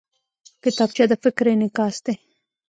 کتابچه د فکر انعکاس دی